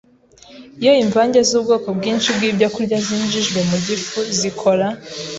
Iyo imvange z’ubwoko bwinshi bw’ibyokurya zinjijwe mu gifu zikora